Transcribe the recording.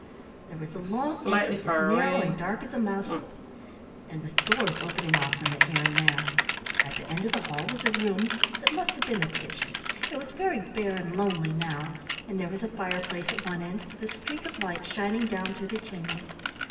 There was a long entry as narrow and dark as a mouse hole, and with doors opening off from it here and there. At the end of the hall was a room that must have been the kitchen. It was very bare and lonely now, and there was a fireplace at one end with a streak of light shining down through the chimney.